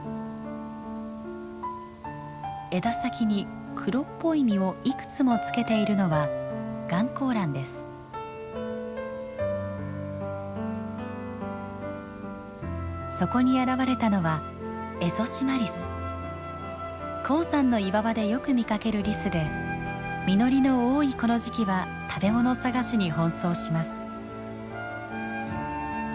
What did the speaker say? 枝先に黒っぽい実をいくつもつけているのはそこに現れたのは高山の岩場でよく見かけるリスで実りの多いこの時期は食べ物探しに奔走します。